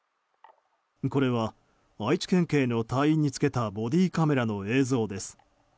これは愛知県警の隊員につけたボディーカメラの映像です。